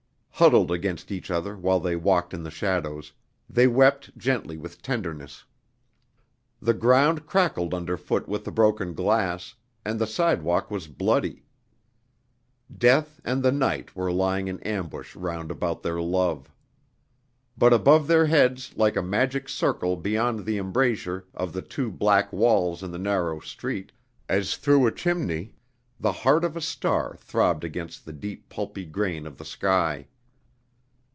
Huddled against each other while they walked in the shadows, they wept gently with tenderness. The ground crackled underfoot with the broken glass and the sidewalk was bloody. Death and the night were lying in ambush round about their love. But above their heads like a magic circle beyond the embrasure of the two black walls in the narrow street, as through a chimney, the heart of a star throbbed against the deep pulpy grain of the sky....